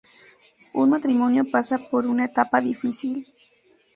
Un matrimonio pasa por una etapa difícil.